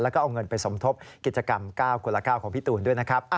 แล้วก็เอาเงินไปสมทบกิจกรรมก้าวครูละก้าวของพี่ตูนด้วย